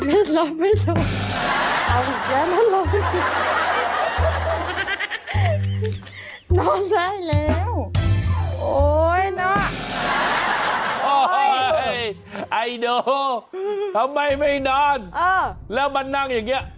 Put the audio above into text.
ไอโด้ทำไมไม่นานแล้วมันนั่งอย่างงี้